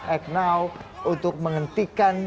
act now untuk menghentikan